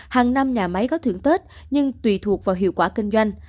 hàng năm nhà máy có thưởng tết nhưng tùy thuộc vào hiệu quả kinh doanh